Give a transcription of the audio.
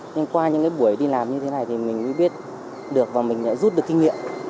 nhưng qua những buổi đi làm như thế này thì mình mới biết được và mình lại rút được kinh nghiệm